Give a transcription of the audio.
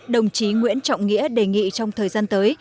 đồng chí nguyễn trọng nghĩa đề nghị trong thời gian tới